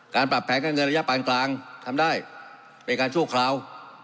การปรับแก้ก็ในระยะปานกลางทำได้ในการช่วงคราว